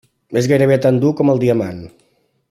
És gairebé tan dur com el diamant.